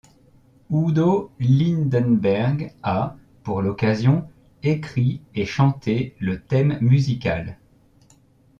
Udo Lindenberg a, pour l’occasion, écrit et chanté le thème musical.